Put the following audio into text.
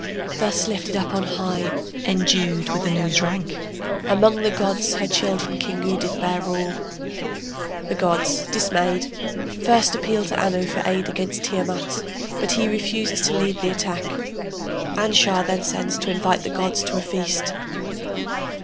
Thus lifted up on high, endued with Anu's rank, Among the gods her children Kingu did bear rule. [The gods, dismayed, first appeal to Anu for aid against Tiamat, but he refuses to lead the attack. Anshar then sends to invite the gods to a feast.